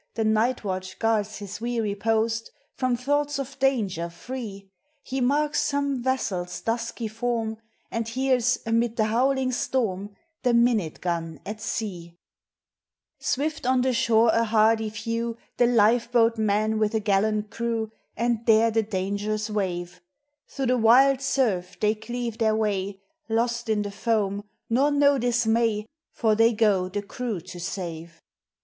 The night watch guards his weary post, From thoughts of danger free, He marks some vessel's dusky form, And hears, amid the howling storm, The minute gun at sea. 404 POEMS OF NATURE. Swift on the shore a hardy few The life boat man with a gallant crew And dare the dangerous wave; Through the wild surf they cleave their way, Lost in the foam, nor know dismay, For they go the crew to save.